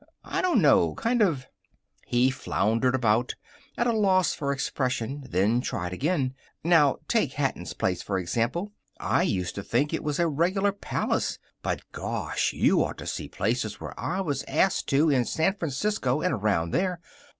I don't know kind of " He floundered about, at a loss for expression. Then tried again: "Now, take Hatton's place, for example. I always used to think it was a regular palace, but, gosh, you ought to see places where I was asked to in San Francisco and around there.